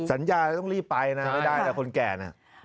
สัญญาต้องรีบไปนะไม่ได้แต่คนแก่น่ะ